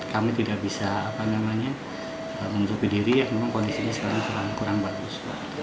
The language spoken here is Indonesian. kami tidak bisa menutupi diri ya memang kondisinya sekarang kurang bagus